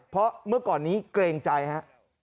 เพราะเมื่อก่อนนี้เกรงใจฮะ